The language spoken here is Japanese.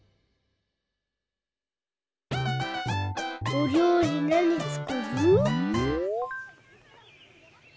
おりょうりなにつくる？